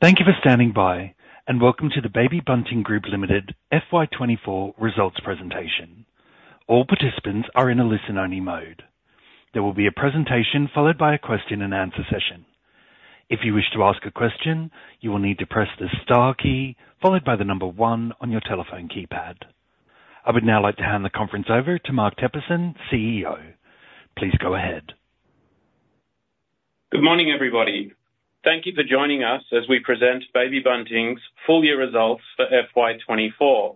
Thank you for standing by, and welcome to the Baby Bunting Group Limited FY 2024 results presentation. All participants are in a listen-only mode. There will be a presentation followed by a question and answer session. If you wish to ask a question, you will need to press the star key followed by the number one on your telephone keypad. I would now like to hand the conference over to Mark Teperson, CEO. Please go ahead. Good morning, everybody. Thank you for joining us as we present Baby Bunting's full year results for FY 2024.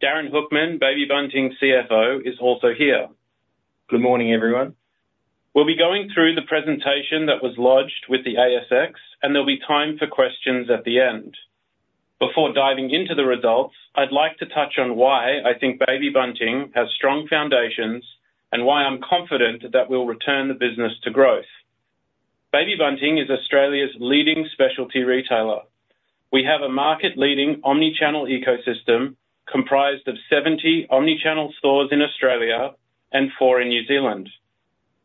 Darin Hoekman, Baby Bunting's CFO, is also here. Good morning, everyone. We'll be going through the presentation that was lodged with the ASX, and there'll be time for questions at the end. Before diving into the results, I'd like to touch on why I think Baby Bunting has strong foundations and why I'm confident that we'll return the business to growth. Baby Bunting is Australia's leading specialty retailer. We have a market-leading omni-channel ecosystem comprised of 70 omni-channel stores in Australia and 4 in New Zealand.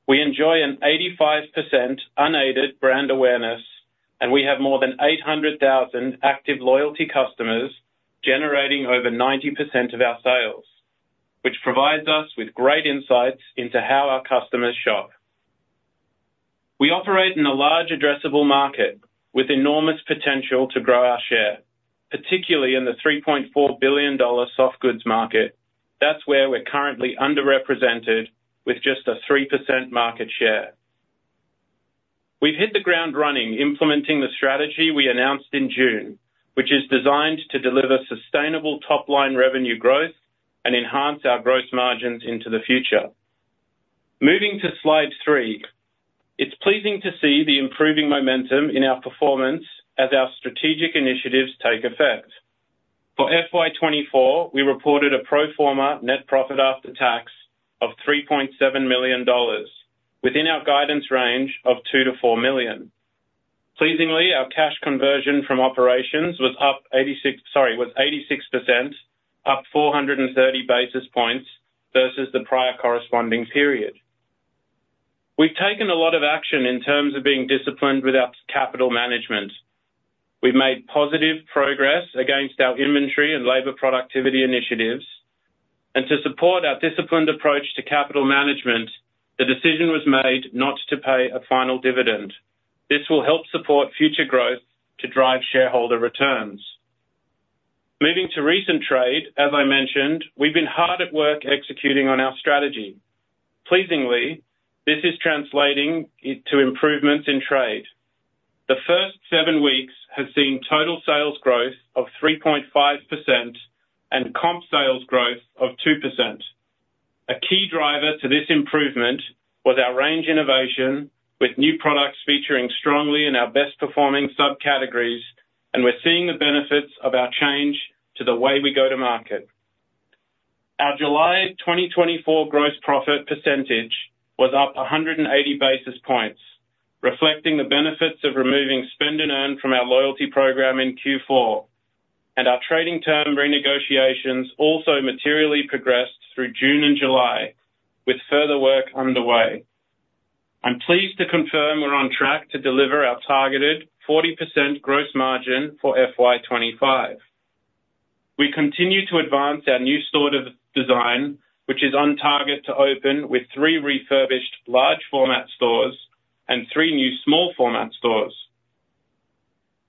We enjoy an 85% unaided brand awareness, and we have more than 800,000 active loyalty customers, generating over 90% of our sales, which provides us with great insights into how our customers shop. We operate in a large addressable market with enormous potential to grow our share, particularly in the $3.4 billion soft goods market. That's where we're currently underrepresented with just a 3% market share. We've hit the ground running, implementing the strategy we announced in June, which is designed to deliver sustainable top-line revenue growth and enhance our gross margins into the future. Moving to slide 3, it's pleasing to see the improving momentum in our performance as our strategic initiatives take effect. For FY 2024, we reported a pro forma net profit after tax of 3.7 million dollars, within our guidance range of 2 million-4 million. Pleasingly, our cash conversion from operations was 86%, up 430 basis points versus the prior corresponding period. We've taken a lot of action in terms of being disciplined with our capital management. We've made positive progress against our inventory and labor productivity initiatives, and to support our disciplined approach to capital management, the decision was made not to pay a final dividend. This will help support future growth to drive shareholder returns. Moving to recent trade, as I mentioned, we've been hard at work executing on our strategy. Pleasingly, this is translating to improvements in trade. The first seven weeks have seen total sales growth of 3.5% and comp sales growth of 2%. A key driver to this improvement was our range innovation, with new products featuring strongly in our best-performing subcategories, and we're seeing the benefits of our change to the way we go to market. Our July 2024 gross profit percentage was up 180 basis points, reflecting the benefits of removing spend and earn from our loyalty program in Q4, and our trading term renegotiations also materially progressed through June and July, with further work underway. I'm pleased to confirm we're on track to deliver our targeted 40% gross margin for FY 2025. We continue to advance our new store design, which is on target to open with three refurbished large format stores and three new small format stores.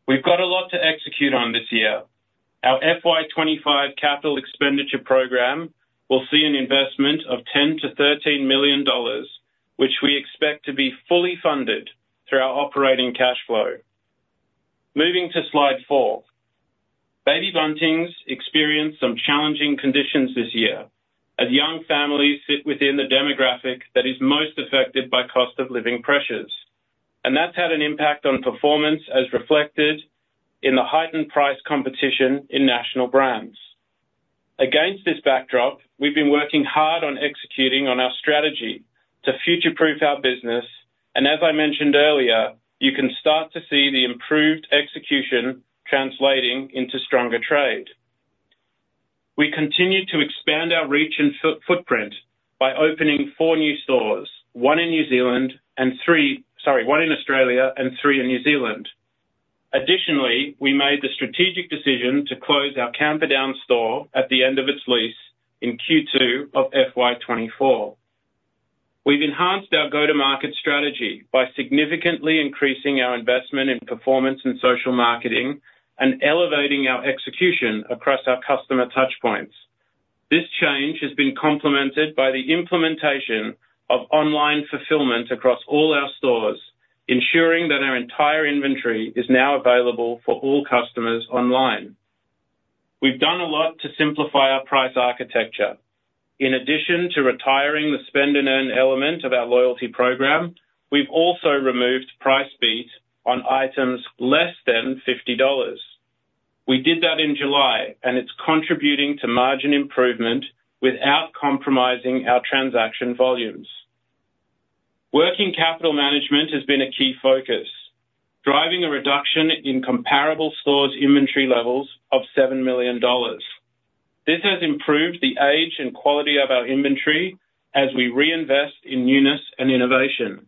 We've got a lot to execute on this year. Our FY 2025 capital expenditure program will see an investment of 10 million-13 million dollars, which we expect to be fully funded through our operating cash flow. Moving to slide four. Baby Bunting's experienced some challenging conditions this year, as young families sit within the demographic that is most affected by cost of living pressures. And that's had an impact on performance, as reflected in the heightened price competition in national brands. Against this backdrop, we've been working hard on executing on our strategy to future-proof our business, and as I mentioned earlier, you can start to see the improved execution translating into stronger trade. We continue to expand our reach and footprint by opening four new stores, one in New Zealand and three—sorry, one in Australia and three in New Zealand. Additionally, we made the strategic decision to close our Camperdown store at the end of its lease in Q2 of FY 2024. We've enhanced our go-to-market strategy by significantly increasing our investment in performance and social marketing and elevating our execution across our customer touchpoints. This change has been complemented by the implementation of online fulfillment across all our stores, ensuring that our entire inventory is now available for all customers online. We've done a lot to simplify our price architecture. In addition to retiring the Spend and Earn element of our loyalty program, we've also removed Price Beat on items less than $50. We did that in July, and it's contributing to margin improvement without compromising our transaction volumes. Working capital management has been a key focus, driving a reduction in comparable stores' inventory levels of $7 million. This has improved the age and quality of our inventory as we reinvest in newness and innovation.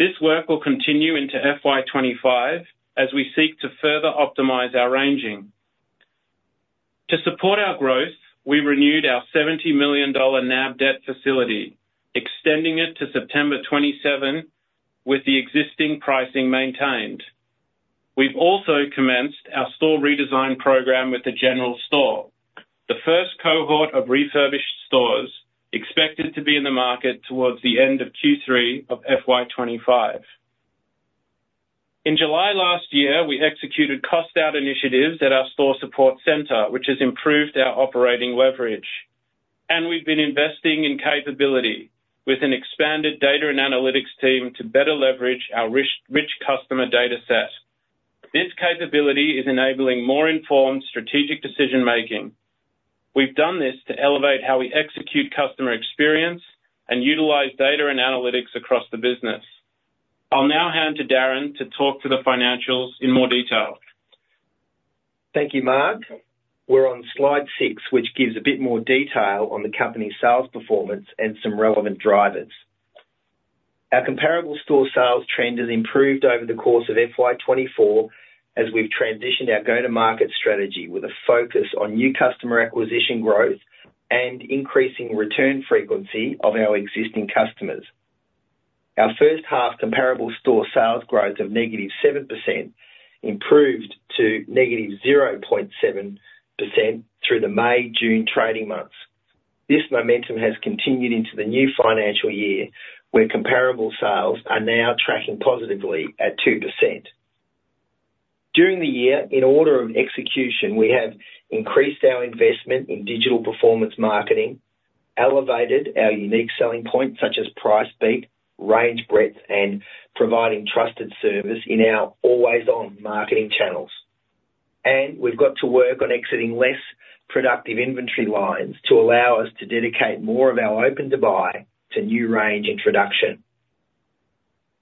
This work will continue into FY 2025 as we seek to further optimize our ranging. To support our growth, we renewed our $70 million NAB debt facility, extending it to September 2027, with the existing pricing maintained. We've also commenced our store redesign program with The General Store. The first cohort of refurbished stores expected to be in the market towards the end of Q3 of FY 2025. In July last year, we executed cost out initiatives at our Store Support Center, which has improved our operating leverage, and we've been investing in capability with an expanded data and analytics team to better leverage our rich, rich customer data set. This capability is enabling more informed strategic decision making. We've done this to elevate how we execute customer experience and utilize data and analytics across the business. I'll now hand to Darin to talk to the financials in more detail. Thank you, Mark. We're on slide six, which gives a bit more detail on the company's sales performance and some relevant drivers. Our comparable store sales trend has improved over the course of FY 2024 as we've transitioned our go-to-market strategy with a focus on new customer acquisition growth and increasing return frequency of our existing customers. Our first half comparable store sales growth of negative 7% improved to negative 0.7% through the May, June trading months. This momentum has continued into the new financial year, where comparable sales are now tracking positively at 2%. During the year, in order of execution, we have increased our investment in digital performance marketing, elevated our unique selling points, such as Price Beat, range, breadth, and providing trusted service in our always-on marketing channels. And we've got to work on exiting less productive inventory lines to allow us to dedicate more of our Open to Buy to new range introduction.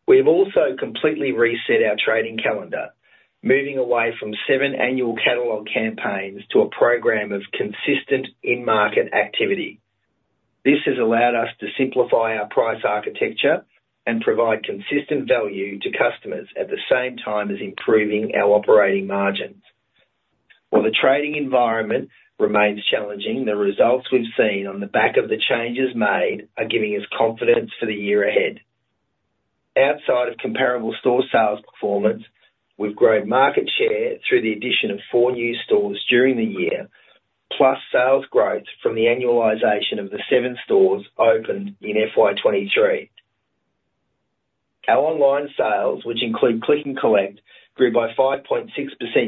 We have also completely reset our trading calendar, moving away from seven annual catalog campaigns to a program of consistent in-market activity. This has allowed us to simplify our price architecture and provide consistent value to customers, at the same time as improving our operating margins. While the trading environment remains challenging, the results we've seen on the back of the changes made are giving us confidence for the year ahead. Outside of Comparable Store Sales performance, we've grown market share through the addition of four new stores during the year, plus sales growth from the annualization of the seven stores opened in FY 2023. Our online sales, which include Click and Collect, grew by 5.6%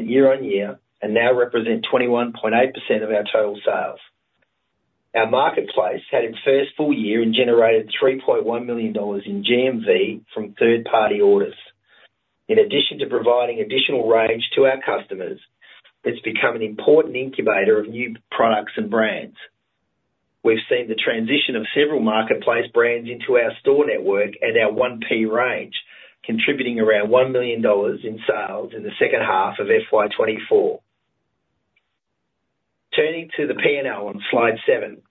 year-on-year and now represent 21.8% of our total sales. Our Marketplace had its first full year and generated $3.1 million in GMV from third-party orders. In addition to providing additional range to our customers, it's become an important incubator of new products and brands. We've seen the transition of several Marketplace brands into our store network and our one pay range, contributing around $1 million in sales in the second half of FY 2024. Turning to the P&L on Slide 7.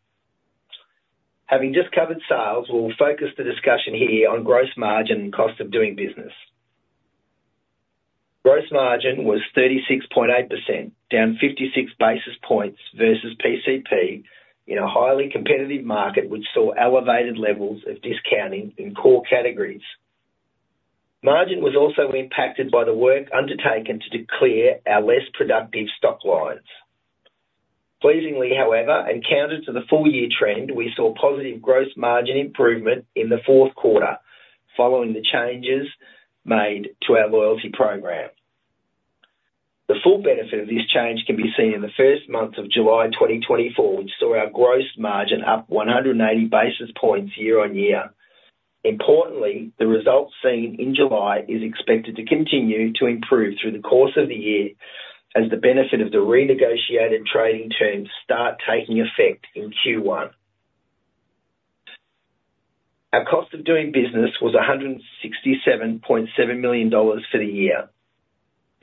Having just covered sales, we'll focus the discussion here on gross margin and cost of doing business. Gross margin was 36.8%, down 56 basis points versus PCP, in a highly competitive market, which saw elevated levels of discounting in core categories. Margin was also impacted by the work undertaken to declare our less productive stock lines. Pleasingly, however, and counter to the full-year trend, we saw positive gross margin improvement in the fourth quarter following the changes made to our loyalty program. The full benefit of this change can be seen in the first month of July 2024, which saw our gross margin up 180 basis points year-on-year. Importantly, the results seen in July is expected to continue to improve through the course of the year as the benefit of the renegotiated trading terms start taking effect in Q1. Our cost of doing business was 167.7 million dollars for the year.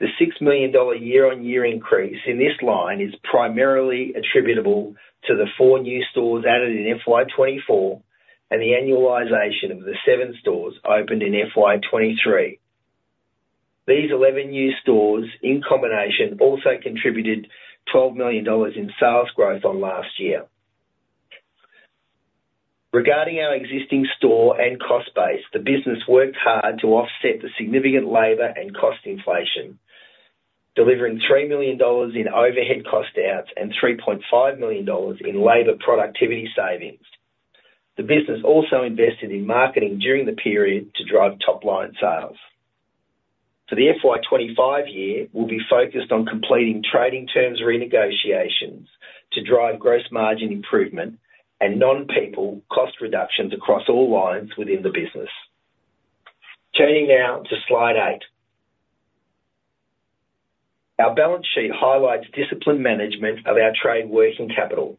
The $6 million year-on-year increase in this line is primarily attributable to the four new stores added in FY 2024 and the annualization of the seven stores opened in FY 2023. These 11 new stores, in combination, also contributed $12 million in sales growth on last year. Regarding our existing store and cost base, the business worked hard to offset the significant labor and cost inflation, delivering $3 million in overhead cost outs and $3.5 million in labor productivity savings. The business also invested in marketing during the period to drive top-line sales. For the FY 2025 year, we'll be focused on completing trading terms renegotiations to drive gross margin improvement and non-people cost reductions across all lines within the business. Turning now to slide 8. Our balance sheet highlights disciplined management of our trade working capital.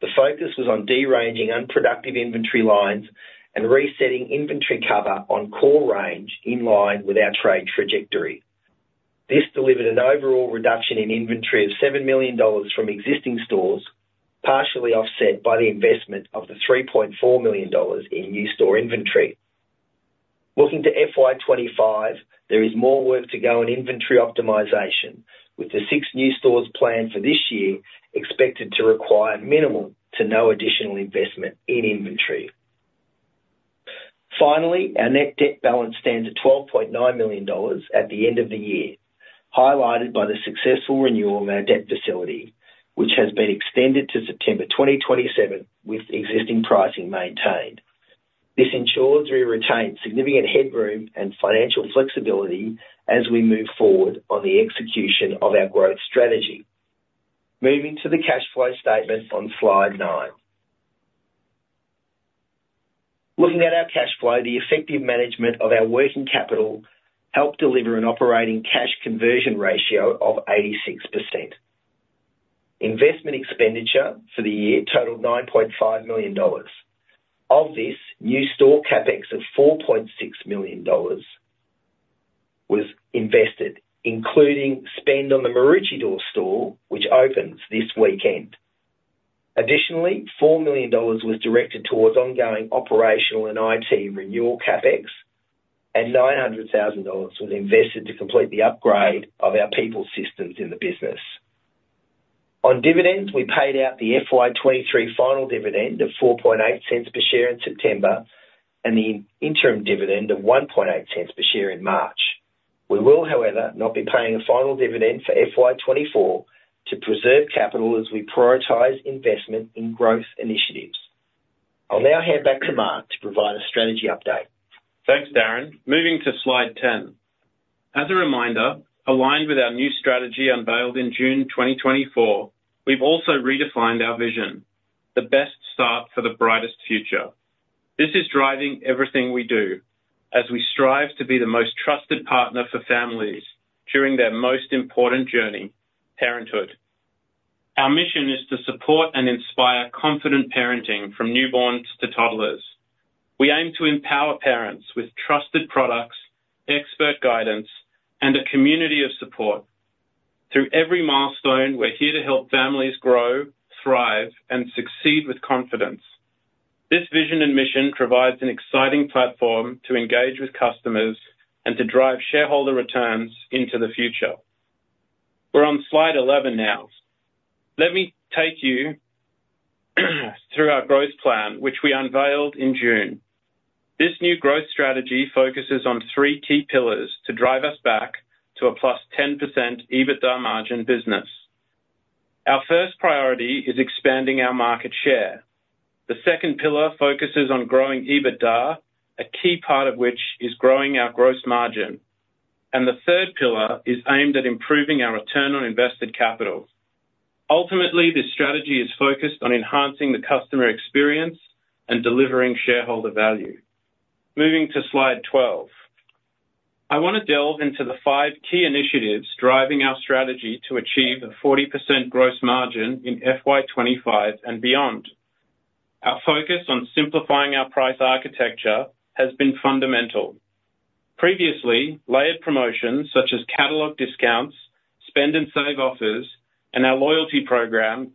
The focus was on deranging unproductive inventory lines and resetting inventory cover on core range in line with our trade trajectory. This delivered an overall reduction in inventory of 7 million dollars from existing stores, partially offset by the investment of 3.4 million dollars in new store inventory. Looking to FY 2025, there is more work to go on inventory optimization, with the six new stores planned for this year expected to require minimal to no additional investment in inventory. Finally, our net debt balance stands at 12.9 million dollars at the end of the year, highlighted by the successful renewal of our debt facility, which has been extended to September 2027, with existing pricing maintained. This ensures we retain significant headroom and financial flexibility as we move forward on the execution of our growth strategy. Moving to the cash flow statement on Slide 9. Looking at our cash flow, the effective management of our working capital helped deliver an operating cash conversion ratio of 86%. Investment expenditure for the year totaled $9.5 million. Of this, new store CapEx of $4.6 million was invested, including spend on the Maroochydore store, which opens this weekend. Additionally, $4 million was directed towards ongoing operational and IT renewal CapEx, and $900,000 was invested to complete the upgrade of our people systems in the business. On dividends, we paid out the FY 2023 final dividend of $0.048 per share in September, and the interim dividend of $0.018 per share in March. We will, however, not be paying a final dividend for FY 2024 to preserve capital as we prioritize investment in growth initiatives. I'll now hand back to Mark to provide a strategy update. Thanks, Darin. Moving to Slide 10. As a reminder, aligned with our new strategy unveiled in June 2024, we've also redefined our vision: the best start for the brightest future. This is driving everything we do as we strive to be the most trusted partner for families during their most important journey, parenthood. Our mission is to support and inspire confident parenting from newborns to toddlers. We aim to empower parents with trusted products, expert guidance, and a community of support. Through every milestone, we're here to help families grow, thrive and succeed with confidence. This vision and mission provides an exciting platform to engage with customers and to drive shareholder returns into the future. We're on Slide 11 now. Let me take you through our growth plan, which we unveiled in June. This new growth strategy focuses on three key pillars to drive us back to a plus 10% EBITDA margin business. Our first priority is expanding our market share. The second pillar focuses on growing EBITDA, a key part of which is growing our gross margin. And the third pillar is aimed at improving our return on invested capital. Ultimately, this strategy is focused on enhancing the customer experience and delivering shareholder value. Moving to Slide 12. I want to delve into the five key initiatives driving our strategy to achieve a 40% gross margin in FY 2025 and beyond. Our focus on simplifying our price architecture has been fundamental. Previously, layered promotions, such as catalog discounts, Spend and Save offers, and our loyalty program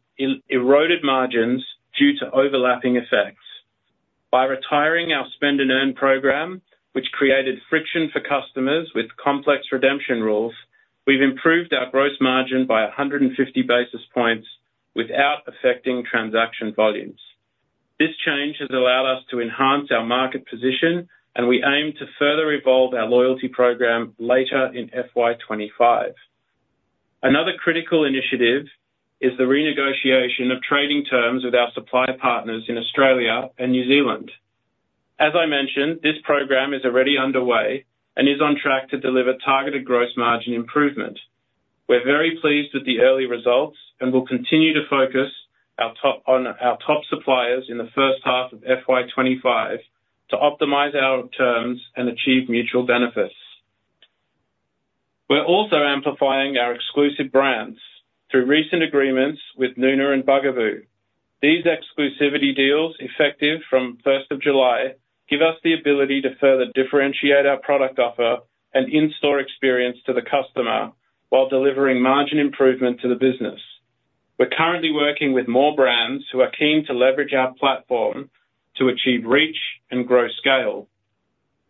eroded margins due to overlapping effects. By retiring our Spend and Earn program, which created friction for customers with complex redemption rules, we've improved our gross margin by 150 basis points without affecting transaction volumes. This change has allowed us to enhance our market position, and we aim to further evolve our loyalty program later in FY 2025. Another critical initiative is the renegotiation of trading terms with our supplier partners in Australia and New Zealand. As I mentioned, this program is already underway and is on track to deliver targeted gross margin improvement. We're very pleased with the early results, and we'll continue to focus on our top suppliers in the first half of FY 2025 to optimize our terms and achieve mutual benefits. We're also amplifying our exclusive brands through recent agreements with Nuna and Bugaboo. These exclusivity deals, effective from first of July, give us the ability to further differentiate our product offer and in-store experience to the customer while delivering margin improvement to the business. We're currently working with more brands who are keen to leverage our platform to achieve reach and grow scale.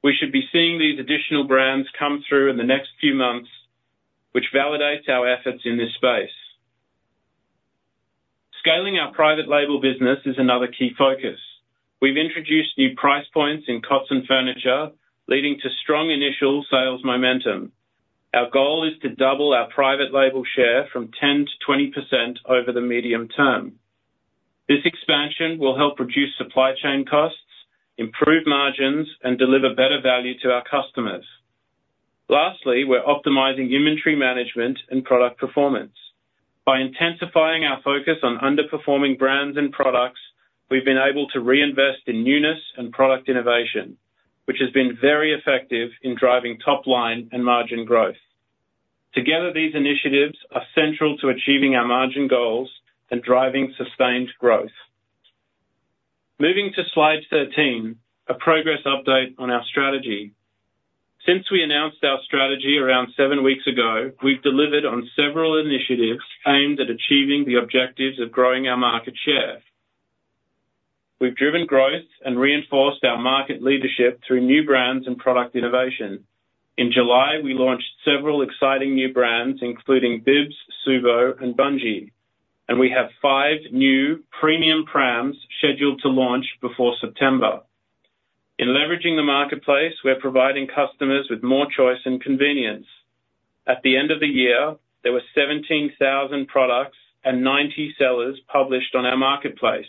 We should be seeing these additional brands come through in the next few months, which validates our efforts in this space. Scaling our private label business is another key focus. We've introduced new price points in cots and furniture, leading to strong initial sales momentum. Our goal is to double our private label share from 10% to 20% over the medium term. This expansion will help reduce supply chain costs, improve margins, and deliver better value to our customers. Lastly, we're optimizing inventory management and product performance. By intensifying our focus on underperforming brands and products, we've been able to reinvest in newness and product innovation, which has been very effective in driving top line and margin growth. Together, these initiatives are central to achieving our margin goals and driving sustained growth. Moving to Slide 13, a progress update on our strategy. Since we announced our strategy around seven weeks ago, we've delivered on several initiatives aimed at achieving the objectives of growing our market share. We've driven growth and reinforced our market leadership through new brands and product innovation. In July, we launched several exciting new brands, including Bibs, Subo, and Bunjie, and we have five new premium prams scheduled to launch before September. In leveraging the marketplace, we're providing customers with more choice and convenience. At the end of the year, there were 17,000 products and 90 sellers published on our marketplace,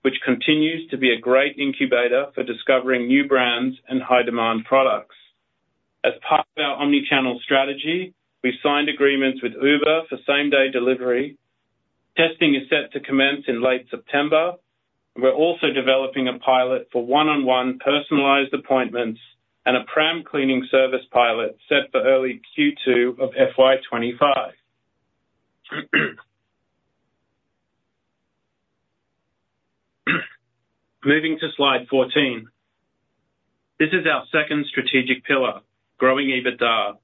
which continues to be a great incubator for discovering new brands and high-demand products. As part of our omni-channel strategy, we've signed agreements with Uber for same-day delivery. Testing is set to commence in late September. We're also developing a pilot for one-on-one personalized appointments and a pram cleaning service pilot set for early Q2 of FY 2025. Moving to Slide 14. This is our second strategic pillar, growing EBITDA.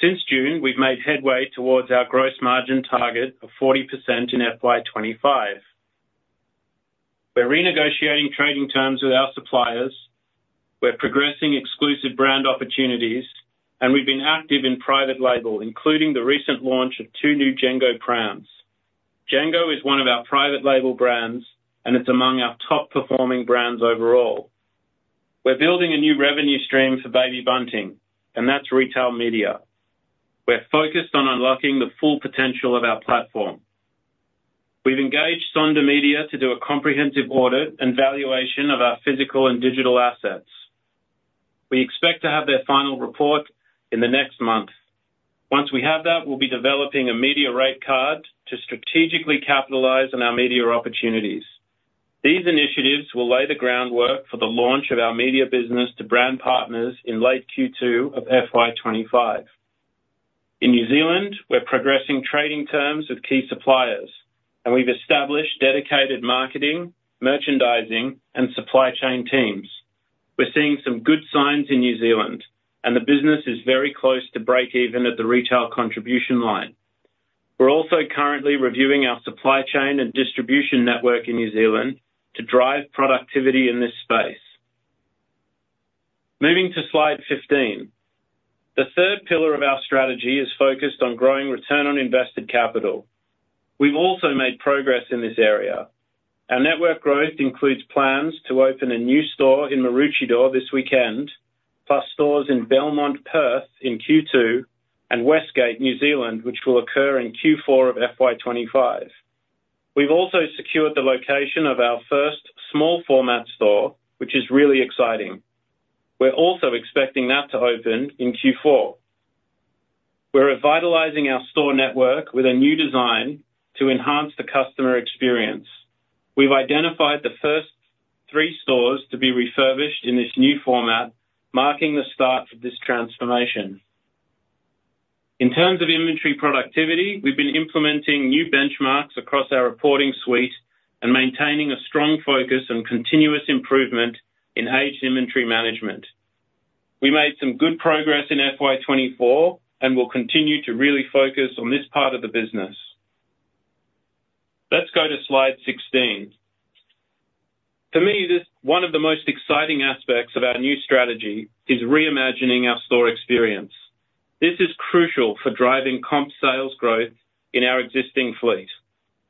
Since June, we've made headway towards our gross margin target of 40% in FY 2025. We're renegotiating trading terms with our suppliers, we're progressing exclusive brand opportunities, and we've been active in private label, including the recent launch of two new Jengo prams. Jengo is one of our private label brands, and it's among our top-performing brands overall. We're building a new revenue stream for Baby Bunting, and that's retail media. We're focused on unlocking the full potential of our platform. We've engaged Sonder Media to do a comprehensive audit and valuation of our physical and digital assets. We expect to have their final report in the next month. Once we have that, we'll be developing a media rate card to strategically capitalize on our media opportunities. These initiatives will lay the groundwork for the launch of our media business to brand partners in late Q2 of FY 2025. In New Zealand, we're progressing trading terms with key suppliers, and we've established dedicated marketing, merchandising, and supply chain teams. We're seeing some good signs in New Zealand, and the business is very close to breakeven at the retail contribution line. We're also currently reviewing our supply chain and distribution network in New Zealand to drive productivity in this space. Moving to Slide 15. The third pillar of our strategy is focused on growing return on invested capital. We've also made progress in this area. Our network growth includes plans to open a new store in Maroochydore this weekend, plus stores in Belmont, Perth in Q2, and Westgate, New Zealand, which will occur in Q4 of FY 2025. We've also secured the location of our first small format store, which is really exciting. We're also expecting that to open in Q4. We're revitalizing our store network with a new design to enhance the customer experience. We've identified the first three stores to be refurbished in this new format, marking the start of this transformation. In terms of inventory productivity, we've been implementing new benchmarks across our reporting suite and maintaining a strong focus on continuous improvement in aged inventory management. We made some good progress in FY 2024, and we'll continue to really focus on this part of the business. Let's go to Slide sixteen. To me, this one of the most exciting aspects of our new strategy is reimagining our store experience. This is crucial for driving comp sales growth in our existing fleet.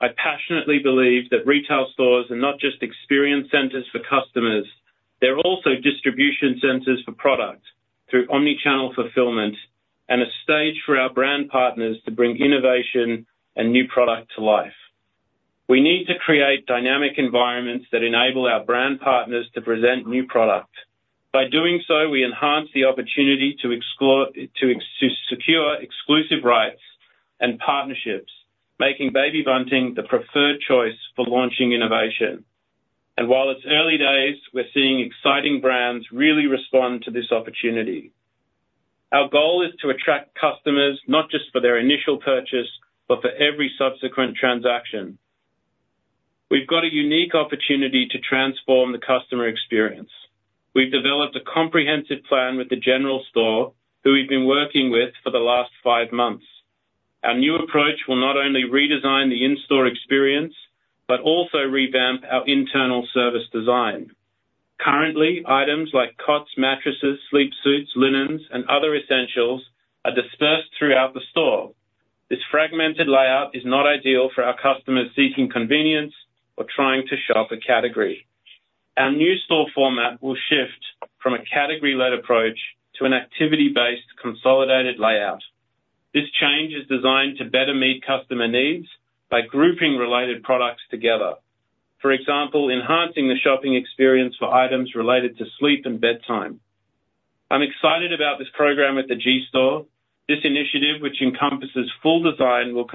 I passionately believe that retail stores are not just experience centers for customers, they're also distribution centers for product through omni-channel fulfillment and a stage for our brand partners to bring innovation and new product to life. We need to create dynamic environments that enable our brand partners to present new product. By doing so, we enhance the opportunity to explore to secure exclusive rights and partnerships, making Baby Bunting the preferred choice for launching innovation, and while it's early days, we're seeing exciting brands really respond to this opportunity. Our goal is to attract customers not just for their initial purchase, but for every subsequent transaction. We've got a unique opportunity to transform the customer experience. We've developed a comprehensive plan with The General Store, who we've been working with for the last five months. Our new approach will not only redesign the in-store experience, but also revamp our internal service design. Currently, items like cots, mattresses, sleepsuits, linens, and other essentials are dispersed throughout the store. This fragmented layout is not ideal for our customers seeking convenience or trying to shop a category. Our new store format will shift from a category-led approach to an activity-based, consolidated layout. This change is designed to better meet customer needs by grouping related products together. For example, enhancing the shopping experience for items related to sleep and bedtime. I'm excited about this program at The General Store. This initiative, which encompasses full design, will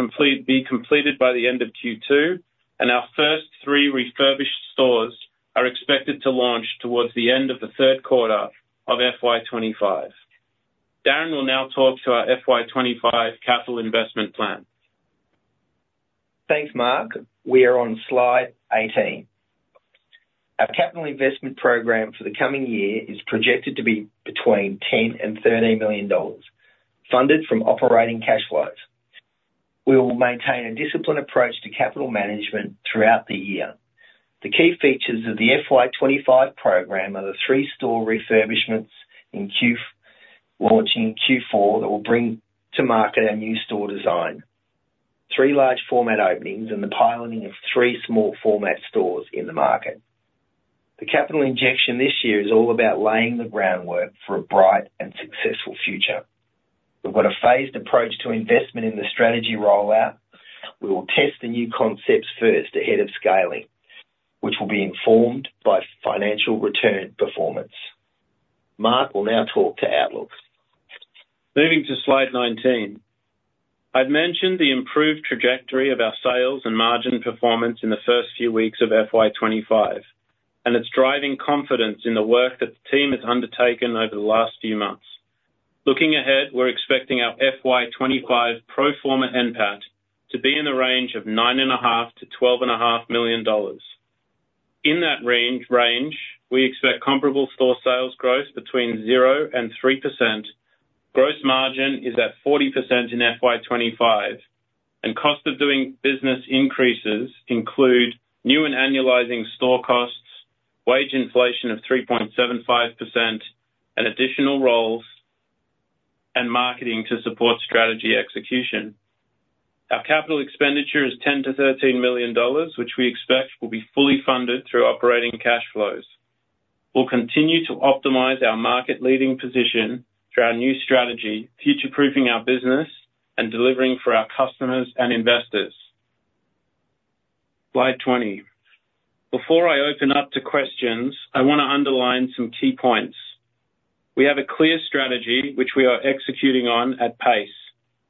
be completed by the end of Q2, and our first three refurbished stores are expected to launch towards the end of the third quarter of FY 2025. Darin will now talk to our FY 2025 capital investment plan. Thanks, Mark. We are on slide 18. Our capital investment program for the coming year is projected to be between 10-13 million dollars, funded from operating cash flows. We will maintain a disciplined approach to capital management throughout the year. The key features of the FY 2025 program are the three store refurbishments launching in Q4 that will bring to market our new store design, three large format openings, and the piloting of three small format stores in the market. The capital injection this year is all about laying the groundwork for a bright and successful future. We've got a phased approach to investment in the strategy rollout. We will test the new concepts first ahead of scaling, which will be informed by financial return performance. Mark will now talk to outlooks. Moving to slide 19. I'd mentioned the improved trajectory of our sales and margin performance in the first few weeks of FY 2025, and it's driving confidence in the work that the team has undertaken over the last few months. Looking ahead, we're expecting our FY 2025 pro forma NPAT to be in the range of $9.5-$12.5 million. In that range, we expect comparable store sales growth between 0% and 3%. Gross margin is at 40% in FY 2025, and cost of doing business increases include new and annualizing store costs, wage inflation of 3.75%, and additional roles and marketing to support strategy execution. Our capital expenditure is $10-$13 million, which we expect will be fully funded through operating cash flows. We'll continue to optimize our market-leading position through our new strategy, future-proofing our business and delivering for our customers and investors. Slide 20. Before I open up to questions, I wanna underline some key points. We have a clear strategy which we are executing on at pace.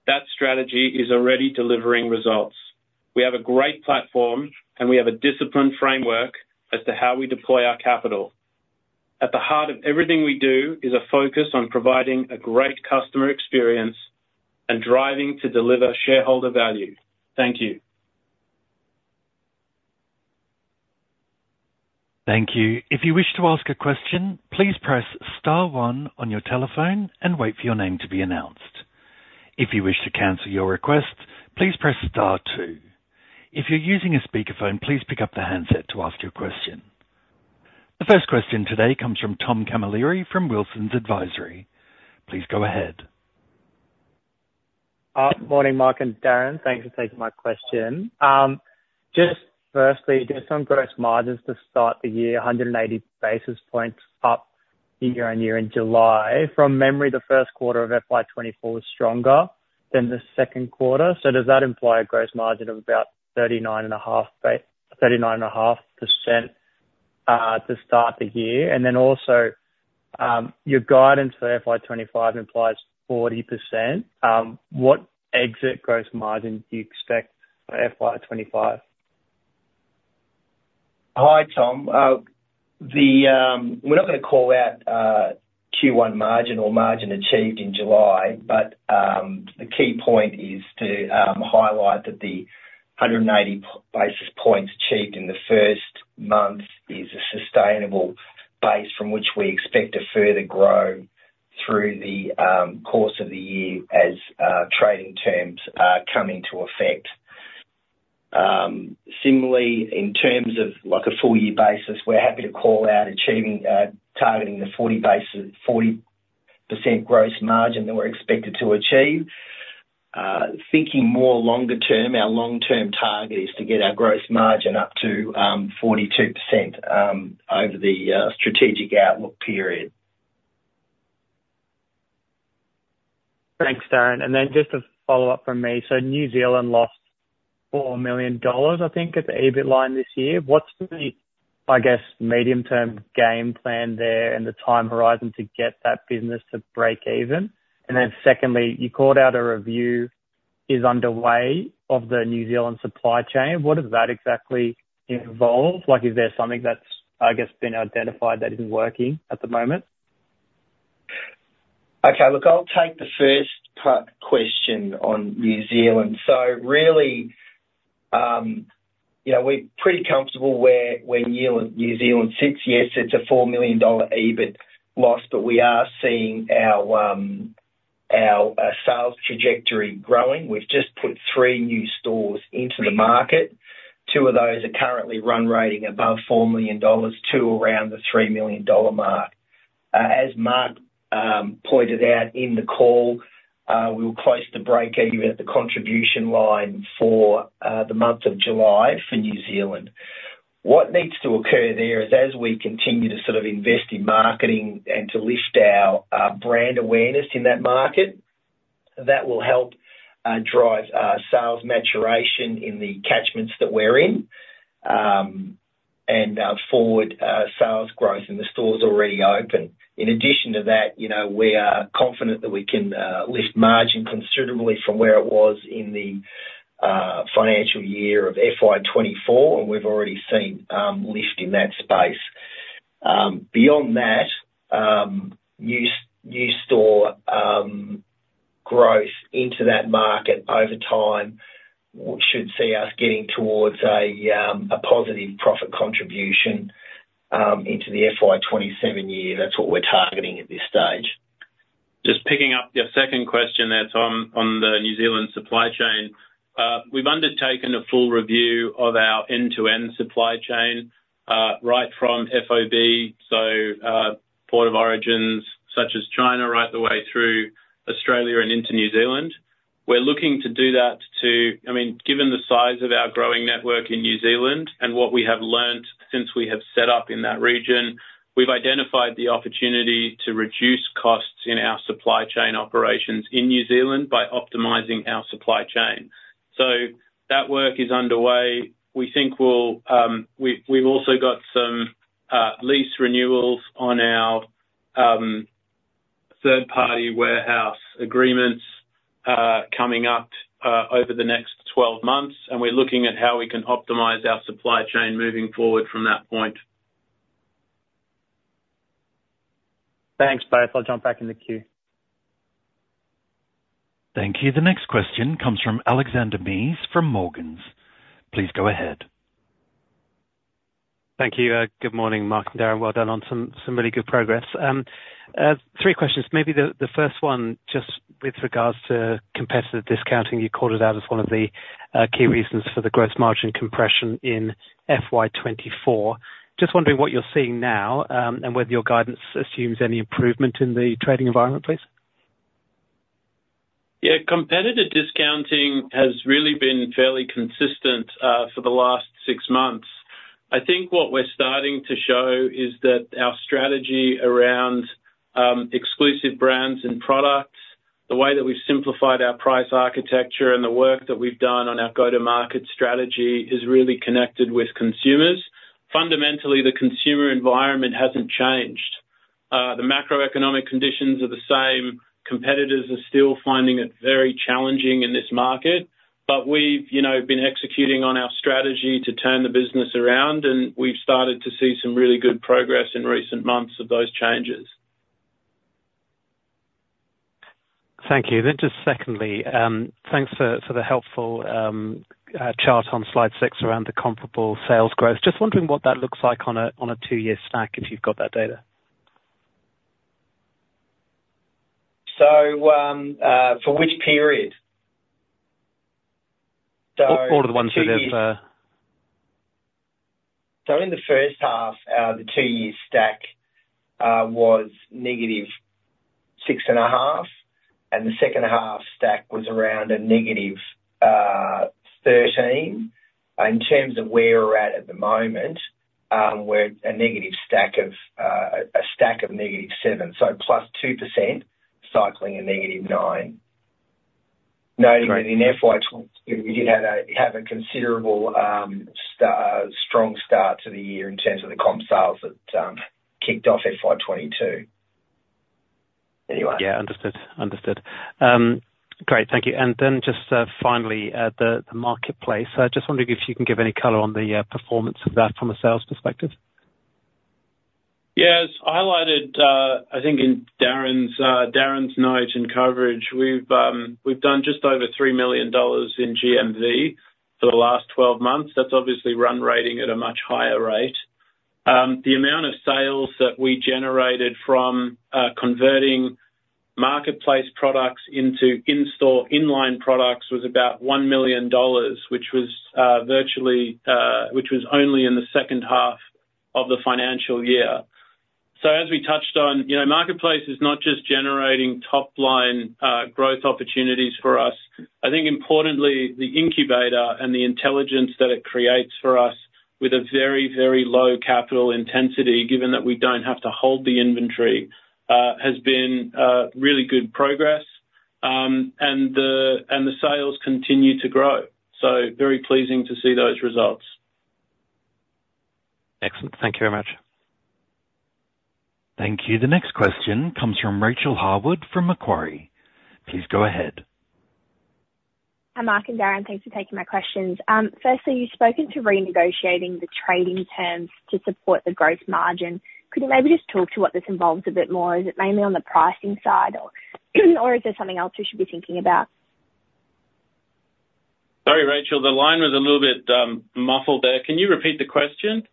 That strategy is already delivering results. We have a great platform, and we have a disciplined framework as to how we deploy our capital. At the heart of everything we do is a focus on providing a great customer experience and driving to deliver shareholder value. Thank you. Thank you. If you wish to ask a question, please press star one on your telephone and wait for your name to be announced. If you wish to cancel your request, please press star two. If you're using a speakerphone, please pick up the handset to ask your question. The first question today comes from Tom Camilleri from Wilsons Advisory. Please go ahead. Good morning, Mark and Darin. Thanks for taking my question. Just firstly, just on gross margins to start the year, 180 basis points up year-on-year in July. From memory, the first quarter of FY 2024 was stronger than the second quarter, so does that imply a gross margin of about 39.5% to start the year? And then also, your guidance for FY 2025 implies 40%. What exit gross margin do you expect for FY 2025? Hi, Tom. We're not gonna call out Q1 margin or margin achieved in July, but the key point is to highlight that the 180 basis points achieved in the first month is a sustainable base from which we expect to further grow through the course of the year as trading terms come into effect. Similarly, in terms of, like, a full year basis, we're happy to call out achieving targeting the 40% gross margin that we're expected to achieve. Thinking more longer term, our long-term target is to get our gross margin up to 42% over the strategic outlook period. Thanks, Darin, and then just a follow-up from me. So New Zealand lost 4 million dollars, I think, at the EBIT line this year. What's the, I guess, medium-term game plan there and the time horizon to get that business to break even? And then secondly, you called out a review is underway of the New Zealand supply chain. What does that exactly involve? Like, is there something that's, I guess, been identified that isn't working at the moment? Okay. Look, I'll take the first part question on New Zealand. So really, you know, we're pretty comfortable where New Zealand sits. Yes, it's a 4 million dollar EBIT loss, but we are seeing our sales trajectory growing. We've just put three new stores into the market. Two of those are currently run rating above 4 million dollars to around the 3 million dollar mark. As Mark pointed out in the call, we were close to breakeven at the contribution line for the month of July for New Zealand. What needs to occur there is, as we continue to sort of invest in marketing and to lift our brand awareness in that market, that will help drive sales maturation in the catchments that we're in, and forward sales growth in the stores already open. In addition to that, you know, we are confident that we can lift margin considerably from where it was in the financial year of FY 2024, and we've already seen lift in that space. Beyond that, new store growth into that market over time should see us getting towards a positive profit contribution into the FY 2027 year. That's what we're targeting at this stage. Just picking up your second question there, Tom, on the New Zealand supply chain. We've undertaken a full review of our end-to-end supply chain, right from FOB, so, port of origins, such as China, right the way through Australia and into New Zealand. We're looking to do that to, I mean, given the size of our growing network in New Zealand and what we have learned since we have set up in that region, we've identified the opportunity to reduce costs in our supply chain operations in New Zealand by optimizing our supply chain. So that work is underway. We think we'll, we've also got some lease renewals on our third-party warehouse agreements coming up over the next 12 months, and we're looking at how we can optimize our supply chain moving forward from that point. Thanks, both. I'll jump back in the queue. Thank you. The next question comes from Alexander Mees from Morgans. Please go ahead. Thank you. Good morning, Mark and Darin. Well done on some really good progress. Three questions. Maybe the first one, just with regards to competitive discounting, you called it out as one of the key reasons for the gross margin compression in FY 2024. Just wondering what you're seeing now, and whether your guidance assumes any improvement in the trading environment, please? Yeah, competitive discounting has really been fairly consistent for the last six months. I think what we're starting to show is that our strategy around exclusive brands and products, the way that we've simplified our price architecture and the work that we've done on our go-to-market strategy is really connected with consumers. Fundamentally, the consumer environment hasn't changed. The macroeconomic conditions are the same. Competitors are still finding it very challenging in this market, but we've, you know, been executing on our strategy to turn the business around, and we've started to see some really good progress in recent months of those changes. Thank you. Then just secondly, thanks for the helpful chart on slide six around the comparable sales growth. Just wondering what that looks like on a two-year stack, if you've got that data. For which period? All of the ones that have. In the first half, the two-year stack was negative 6.5%, and the second half stack was around negative 13%. In terms of where we're at the moment, we're a negative stack of negative 7%, so +2%, cycling a negative 9%. Noting that in FY 2022, we did have a considerable strong start to the year in terms of the comp sales that kicked off FY 2022. Anyway. Yeah, understood. Understood. Great, thank you, and then just finally the Marketplace. I just wondering if you can give any color on the performance of that from a sales perspective? Yeah, as highlighted, I think in Darin's note and coverage, we've done just over 3 million dollars in GMV for the last twelve months. That's obviously run rating at a much higher rate. The amount of sales that we generated from converting marketplace products into in-store, in-line products was about 1 million dollars, which was virtually only in the second half of the financial year. So as we touched on, you know, marketplace is not just generating top-line growth opportunities for us. I think importantly, the incubator and the intelligence that it creates for us with a very, very low capital intensity, given that we don't have to hold the inventory, has been really good progress, and the sales continue to grow. So very pleasing to see those results. Excellent. Thank you very much. Thank you. The next question comes from Rachael Harwood, from Macquarie. Please go ahead. Hi, Mark and Darin. Thanks for taking my questions. Firstly, you've spoken to renegotiating the trading terms to support the gross margin. Could you maybe just talk to what this involves a bit more? Is it mainly on the pricing side or is there something else we should be thinking about? Sorry, Rachel, the line was a little bit muffled there. Can you repeat the question?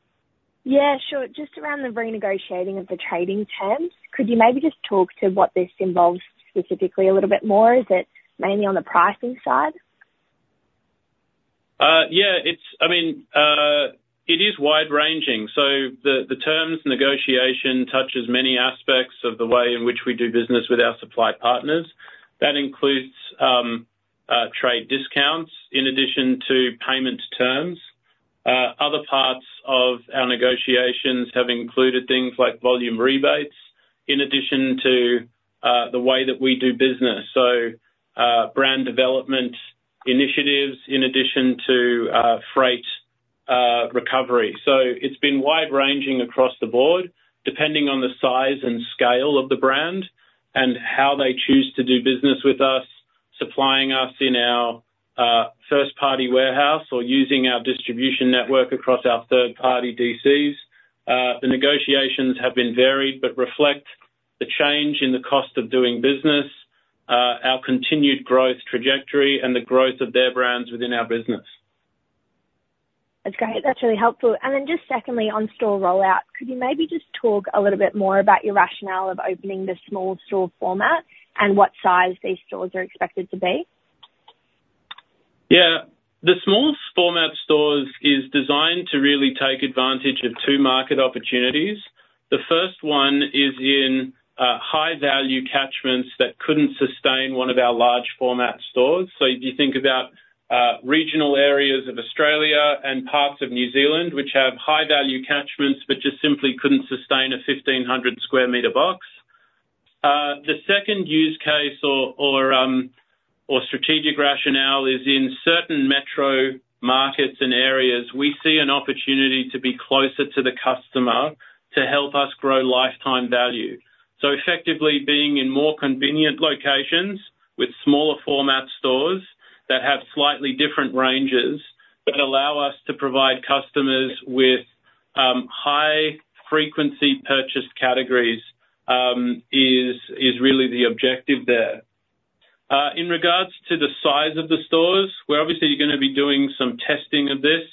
Yeah, sure. Just around the renegotiating of the trading terms, could you maybe just talk to what this involves specifically a little bit more? Is it mainly on the pricing side? Yeah, I mean, it is wide-ranging, so the terms negotiation touches many aspects of the way in which we do business with our supply partners. That includes, trade discounts in addition to payment terms. Other parts of our negotiations have included things like volume rebates, in addition to, the way that we do business, so, brand development initiatives, in addition to, freight, recovery. So it's been wide-ranging across the board, depending on the size and scale of the brand and how they choose to do business with us, supplying us in our first party warehouse or using our distribution network across our third party DCs. The negotiations have been varied, but reflect the change in the cost of doing business, our continued growth trajectory, and the growth of their brands within our business. That's great. That's really helpful. And then just secondly, on store rollout, could you maybe just talk a little bit more about your rationale of opening the small store format and what size these stores are expected to be? Yeah. The small format stores is designed to really take advantage of two market opportunities. The first one is in high-value catchments that couldn't sustain one of our large format stores. So if you think about regional areas of Australia and parts of New Zealand, which have high-value catchments, but just simply couldn't sustain a fifteen hundred square meter box. The second use case or strategic rationale is in certain metro markets and areas, we see an opportunity to be closer to the customer to help us grow lifetime value. So effectively, being in more convenient locations with smaller format stores that have slightly different ranges, but allow us to provide customers with high frequency purchase categories is really the objective there. In regards to the size of the stores, we're obviously gonna be doing some testing of this,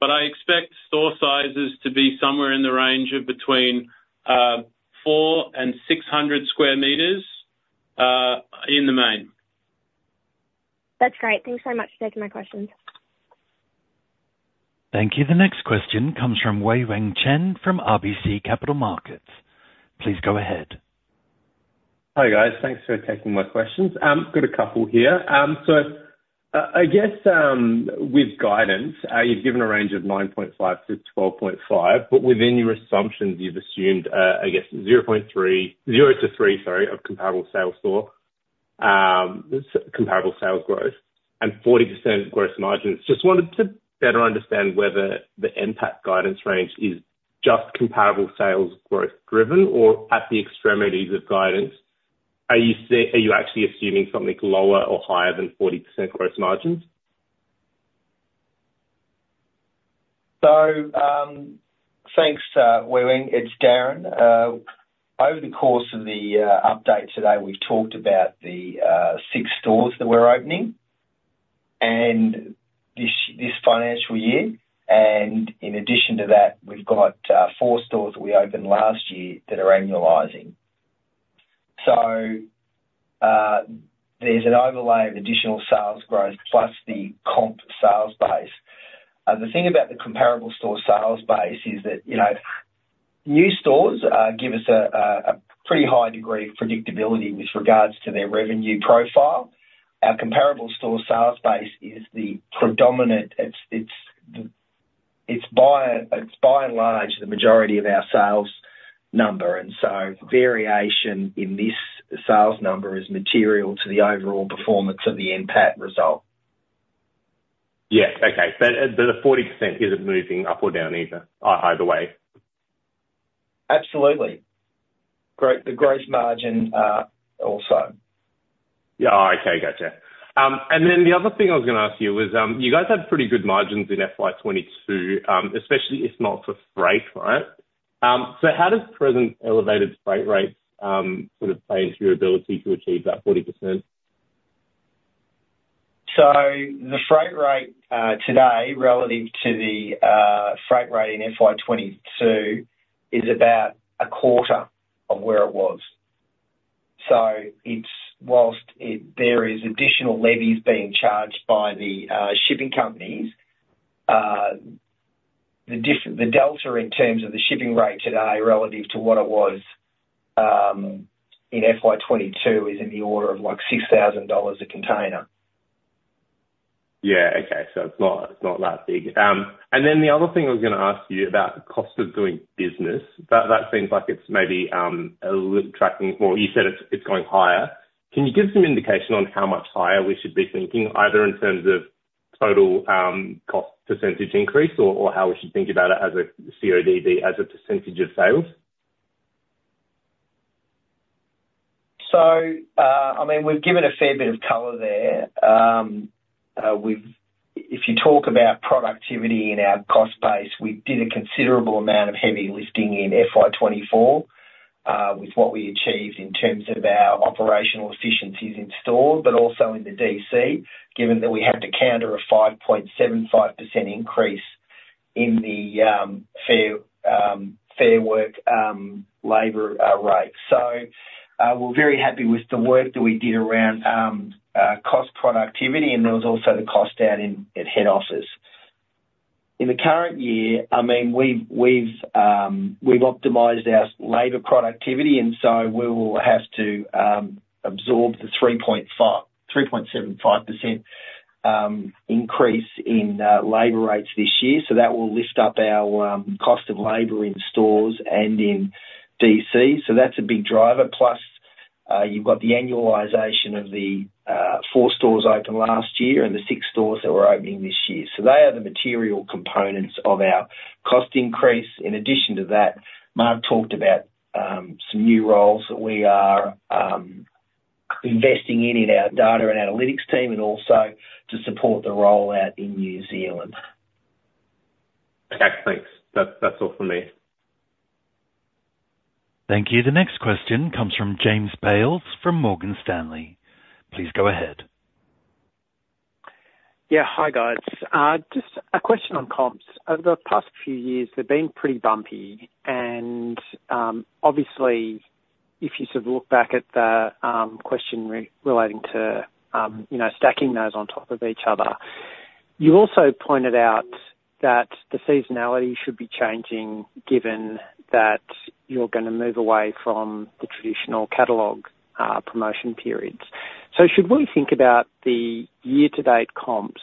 but I expect store sizes to be somewhere in the range of between 400-600 square meters, in the main. That's great. Thanks so much for taking my questions. Thank you. The next question comes from Wei-Weng Chen from RBC Capital Markets. Please go ahead. Hi, guys. Thanks for taking my questions. Got a couple here. So, I guess, with guidance, you've given a range of 9.5-12.5, but within your assumptions, you've assumed, I guess 0-3, sorry, of comparable store sales growth and 40% gross margins. Just wanted to better understand whether the NPAT guidance range is just comparable sales growth driven, or at the extremities of guidance, are you actually assuming something lower or higher than 40% gross margins? So, thanks, Wei-Weng Chen. It's Darin. Over the course of the update today, we've talked about the six stores that we're opening and this financial year, and in addition to that, we've got four stores that we opened last year that are annualizing. So, there's an overlay of additional sales growth plus the comp sales base. The thing about the comparable store sales base is that, you know, new stores give us a pretty high degree of predictability with regards to their revenue profile. Our comparable store sales base is the predominant. It's by and large the majority of our sales number, and so variation in this sales number is material to the overall performance of the NPAT result. Yes. Okay. But the 40% isn't moving up or down either way? Absolutely. Great. The gross margin also. Yeah. Okay. Gotcha. And then the other thing I was gonna ask you was, you guys had pretty good margins in FY 2022, especially if not for freight, right? So how does present elevated freight rates sort of play into your ability to achieve that 40%? The freight rate today relative to the freight rate in FY 2022 is about a quarter of where it was. It's while there is additional levies being charged by the shipping companies, the delta in terms of the shipping rate today relative to what it was in FY 2022 is in the order of, like, 6,000 dollars a container. Yeah. Okay. So it's not, it's not that big. And then the other thing I was gonna ask you about the cost of doing business, that, that seems like it's maybe a little tracking, or you said it's, it's going higher. Can you give some indication on how much higher we should be thinking, either in terms of total cost percentage increase or, or how we should think about it as a CODB, as a percentage of sales? So, I mean, we've given a fair bit of color there. If you talk about productivity in our cost base, we did a considerable amount of heavy lifting in FY 2024, with what we achieved in terms of our operational efficiencies in store, but also in the DC, given that we had to counter a 5.75% increase in the Fair Work labor rate. So, we're very happy with the work that we did around cost productivity, and there was also the cost down at head office. In the current year, I mean, we've optimized our labor productivity, and so we will have to absorb the 3.75% increase in labor rates this year. So that will lift up our cost of labor in stores and in DC. So that's a big driver, plus, you've got the annualization of the four stores open last year and the six stores that we're opening this year. So they are the material components of our cost increase. In addition to that, Mark talked about some new roles that we are investing in our data and analytics team and also to support the rollout in New Zealand.... Okay, thanks. That's, that's all for me. Thank you. The next question comes from James Bales from Morgan Stanley. Please go ahead. Yeah. Hi, guys. Just a question on comps. Over the past few years, they've been pretty bumpy, and, obviously, if you sort of look back at the question relating to, you know, stacking those on top of each other, you also pointed out that the seasonality should be changing, given that you're gonna move away from the traditional catalog promotion periods. So should we think about the year-to-date comps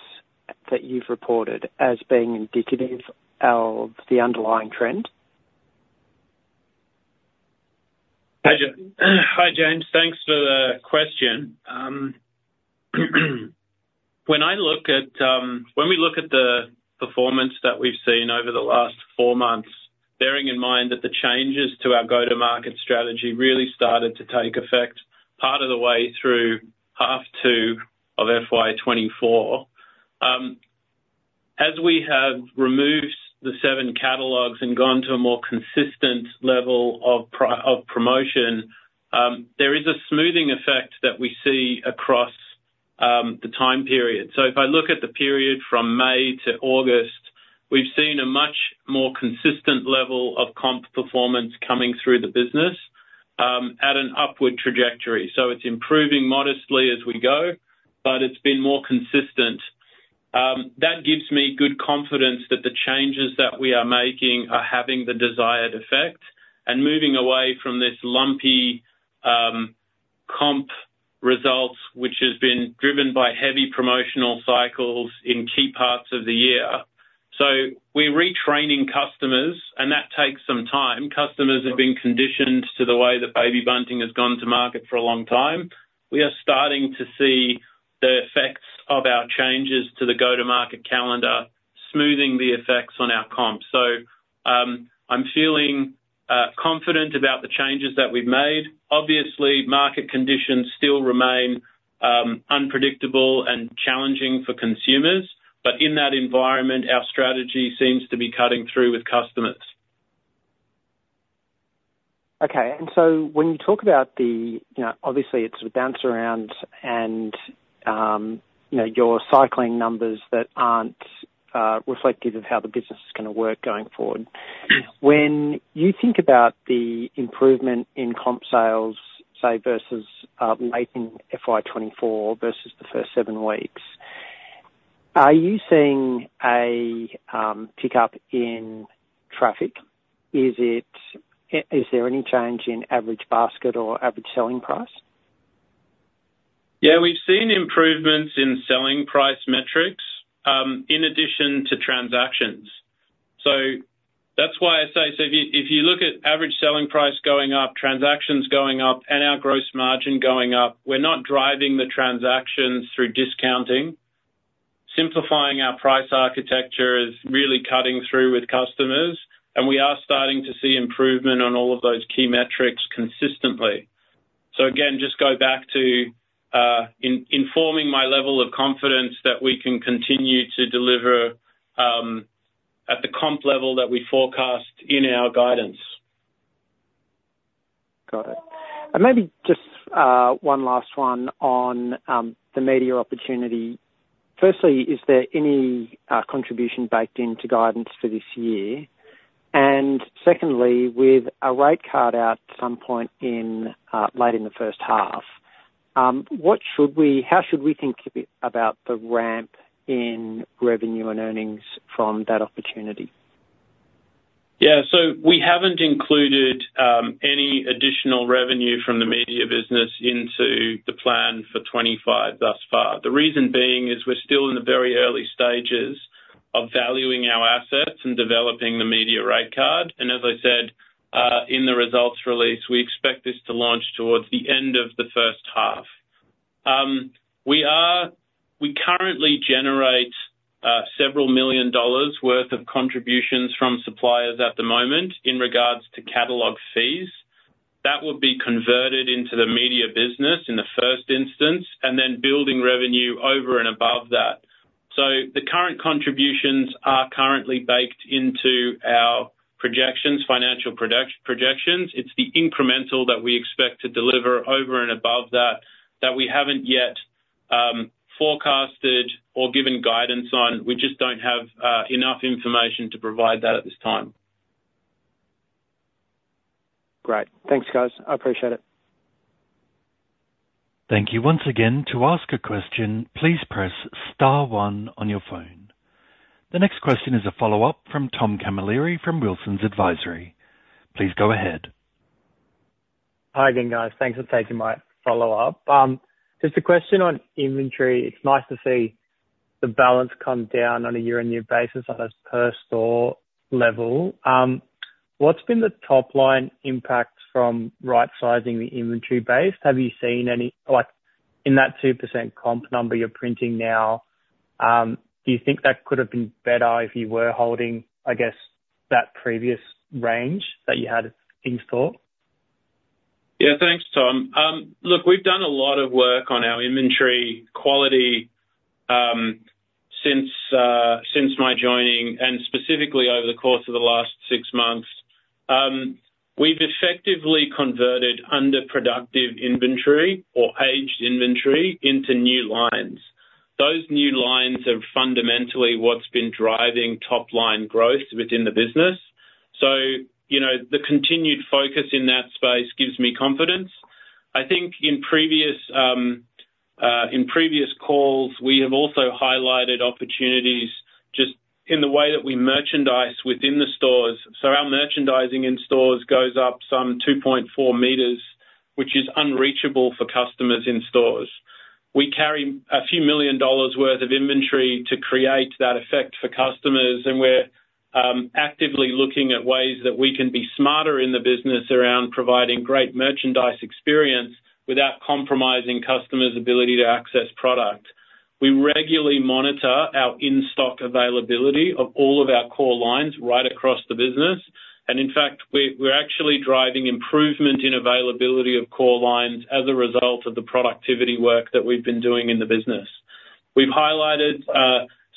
that you've reported as being indicative of the underlying trend? Hi, James. Thanks for the question. When we look at the performance that we've seen over the last four months, bearing in mind that the changes to our go-to-market strategy really started to take effect part of the way through half two of FY 2024. As we have removed the seven catalogs and gone to a more consistent level of promotion, there is a smoothing effect that we see across the time period, so if I look at the period from May to August, we've seen a much more consistent level of comp performance coming through the business, at an upward trajectory. It's improving modestly as we go, but it's been more consistent. That gives me good confidence that the changes that we are making are having the desired effect and moving away from this lumpy comp results, which has been driven by heavy promotional cycles in key parts of the year. We're retraining customers, and that takes some time. Customers have been conditioned to the way that Baby Bunting has gone to market for a long time. We are starting to see the effects of our changes to the go-to-market calendar, smoothing the effects on our comps. I'm feeling confident about the changes that we've made. Obviously, market conditions still remain unpredictable and challenging for consumers, but in that environment, our strategy seems to be cutting through with customers. Okay. And so when you talk about the... You know, obviously, it's the bounce around and, you know, your cycling numbers that aren't reflective of how the business is gonna work going forward. When you think about the improvement in comp sales, say, versus late in FY 2024 versus the first seven weeks, are you seeing a pickup in traffic? Is there any change in average basket or average selling price? Yeah, we've seen improvements in selling price metrics, in addition to transactions. So that's why I say, so if you, if you look at average selling price going up, transactions going up, and our gross margin going up, we're not driving the transactions through discounting. Simplifying our price architecture is really cutting through with customers, and we are starting to see improvement on all of those key metrics consistently. So again, just go back to, informing my level of confidence that we can continue to deliver, at the comp level that we forecast in our guidance. Got it. And maybe just one last one on the media opportunity. Firstly, is there any contribution baked into guidance for this year? And secondly, with a rate card out at some point in late in the first half, what should we—how should we think about the ramp in revenue and earnings from that opportunity? Yeah. So we haven't included any additional revenue from the media business into the plan for twenty-five thus far. The reason being is we're still in the very early stages of valuing our assets and developing the media rate card. And as I said, in the results release, we expect this to launch towards the end of the first half. We currently generate several million dollars worth of contributions from suppliers at the moment in regards to catalog fees. That would be converted into the media business in the first instance, and then building revenue over and above that. So the current contributions are currently baked into our projections, financial projections. It's the incremental that we expect to deliver over and above that, that we haven't yet forecasted or given guidance on. We just don't have enough information to provide that at this time. Great. Thanks, guys. I appreciate it. Thank you once again. To ask a question, please press star one on your phone. The next question is a follow-up from Tom Camilleri, from Wilsons Advisory. Please go ahead. Hi again, guys. Thanks for taking my follow-up. Just a question on inventory. It's nice to see the balance come down on a year-on-year basis on a per store level. What's been the top line impact from right-sizing the inventory base? Have you seen any, like, in that 2% comp number you're printing now, do you think that could have been better if you were holding, I guess, that previous range that you had in store? ... Yeah, thanks, Tom. Look, we've done a lot of work on our inventory quality, since my joining, and specifically over the course of the last six months. We've effectively converted underproductive inventory or aged inventory into new lines. Those new lines are fundamentally what's been driving top-line growth within the business. So, you know, the continued focus in that space gives me confidence. I think in previous calls, we have also highlighted opportunities just in the way that we merchandise within the stores. So our merchandising in stores goes up some 2.4 meters, which is unreachable for customers in stores. We carry a few million dollars' worth of inventory to create that effect for customers, and we're actively looking at ways that we can be smarter in the business around providing great merchandise experience without compromising customers' ability to access product. We regularly monitor our in-stock availability of all of our core lines right across the business, and in fact, we're actually driving improvement in availability of core lines as a result of the productivity work that we've been doing in the business. We've highlighted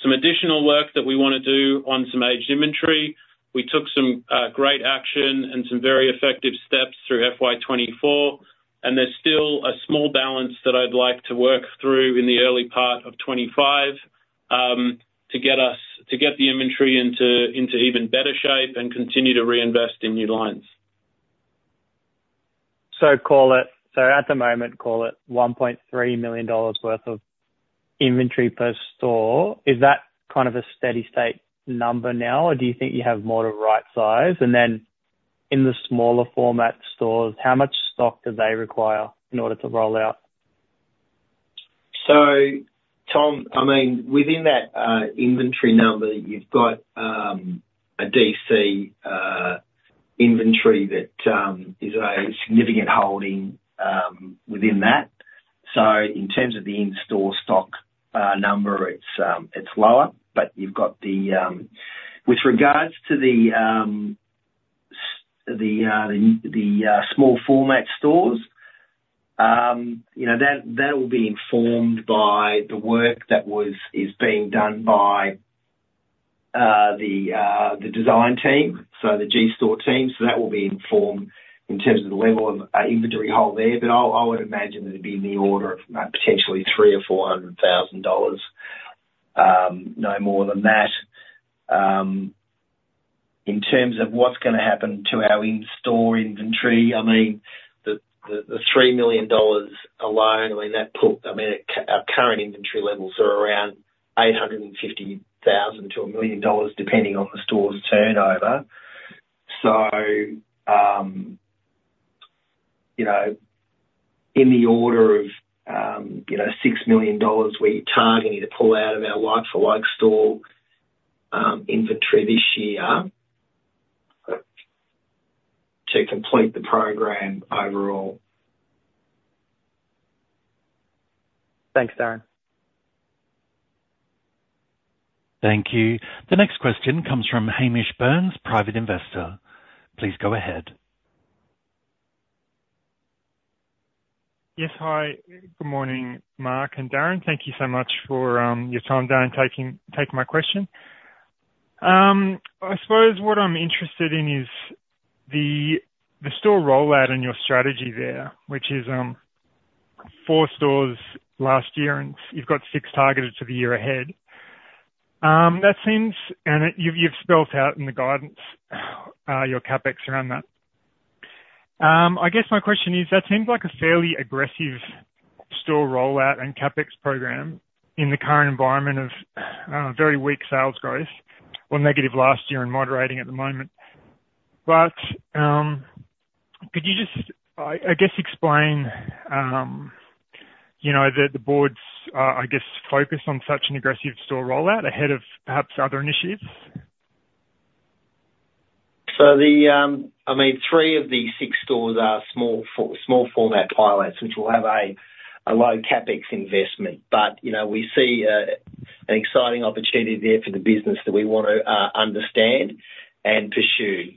some additional work that we wanna do on some aged inventory. We took some great action and some very effective steps through FY 2024, and there's still a small balance that I'd like to work through in the early part of 2025, to get the inventory into even better shape and continue to reinvest in new lines. At the moment, call it 1.3 million dollars worth of inventory per store. Is that kind of a steady state number now, or do you think you have more to rightsize? Then in the smaller format stores, how much stock do they require in order to roll out? So, Tom, I mean, within that inventory number, you've got a DC inventory that is a significant holding within that. So in terms of the in-store stock number, it's lower, but you've got the... With regard to the small format stores, you know, that will be informed by the work that is being done by the design team, so the General Store team. So that will be informed in terms of the level of inventory hold there, but I would imagine that it'd be in the order of potentially 300,000-400,000 dollars, no more than that. In terms of what's gonna happen to our in-store inventory, I mean, the three million dollars alone, I mean, our current inventory levels are around 850,000-1 million dollars, depending on the store's turnover. So, you know, in the order of, you know, 6 million dollars, we're targeting to pull out of our like-for-like store inventory this year, to complete the program overall. Thanks, Darin. Thank you. The next question comes from Hamish Burns, private investor. Please go ahead. Yes. Hi, good morning, Mark and Darin. Thank you so much for your time, Darin, taking my question. I suppose what I'm interested in is the store rollout and your strategy there, which is four stores last year, and you've got six targeted for the year ahead. That seems... You've spelled out in the guidance your CapEx around that. I guess my question is, that seems like a fairly aggressive store rollout and CapEx program in the current environment of very weak sales growth, or negative last year and moderating at the moment. But could you just, I guess explain, you know, the board's focus on such an aggressive store rollout ahead of perhaps other initiatives? The three of the six stores are small format pilots, which will have a low CapEx investment, but you know, we see an exciting opportunity there for the business that we want to understand and pursue.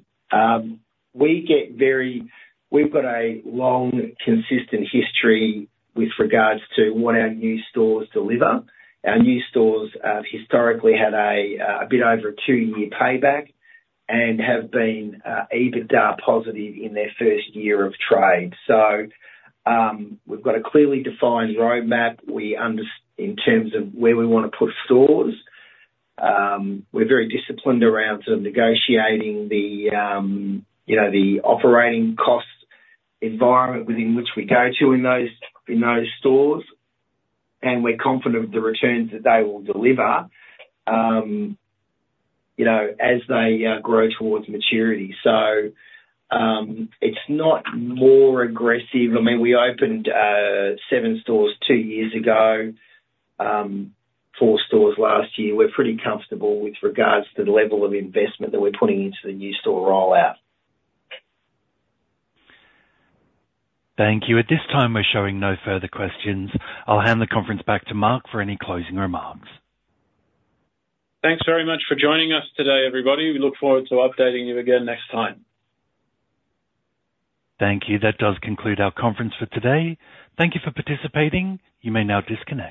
We've got a long, consistent history with regards to what our new stores deliver. Our new stores historically had a bit over a two-year payback and have been EBITDA positive in their first year of trade. We've got a clearly defined roadmap. In terms of where we wanna put stores, we're very disciplined around sort of negotiating the, you know, the operating cost environment within which we go to in those stores, and we're confident of the returns that they will deliver, you know, as they grow towards maturity. It's not more aggressive. I mean, we opened seven stores two years ago, four stores last year. We're pretty comfortable with regards to the level of investment that we're putting into the new store rollout. Thank you. At this time, we're showing no further questions. I'll hand the conference back to Mark for any closing remarks. Thanks very much for joining us today, everybody. We look forward to updating you again next time. Thank you. That does conclude our conference for today. Thank you for participating. You may now disconnect.